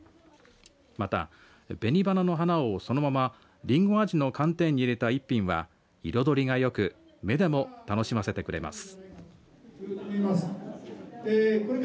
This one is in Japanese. また、紅花の花をそのままりんご味の寒天に入れた一品は彩りが良く目でも楽しませてくれます。